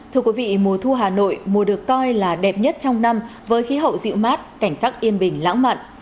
thưa quý vị mùa thu hà nội mùa được coi là đẹp nhất trong năm với khí hậu dịu mát cảnh sắc yên bình lãng mạn